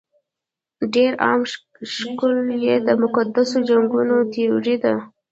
ډېر عام شکل یې د مقدسو جنګونو تیوري ده.